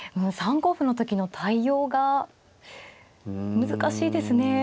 ３五歩の時の対応が難しいですね。